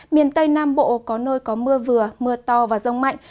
miền tây nam bộ có nơi có mưa vừa mưa to và rông mạnh